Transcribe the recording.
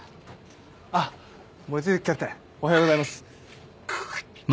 あっ望月キャプテンおはようございます。